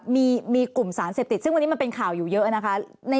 มีกลุ่มสารเสพติดซึ่งวันนี้มันเป็นข่าวอยู่เยอะนะคะ